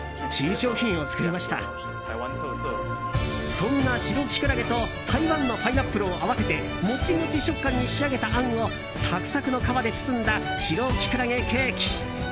そんなシロキクラゲと台湾のパイナップルを合わせてモチモチ食感に仕上げたあんをサクサクの皮で包んだシロキクラゲケーキ。